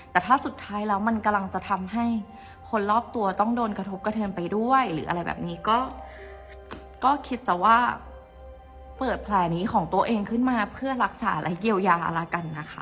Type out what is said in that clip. แต่ถ้าสุดท้ายแล้วมันกำลังจะทำให้คนรอบตัวต้องโดนกระทบกระเทือนไปด้วยหรืออะไรแบบนี้ก็คิดแต่ว่าเปิดแผลนี้ของตัวเองขึ้นมาเพื่อรักษาและเยียวยาละกันนะคะ